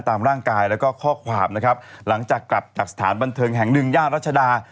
ตามร่างกายแล้วก็ข้อความนะครับหลังจากกลับจากสถานบันเทิงแห่งหนึ่งย่านรัชดา